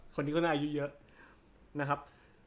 คนนี้ก็น่าอายุเยอะนะครับ